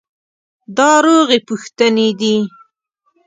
دا روغې پوښتنې دي.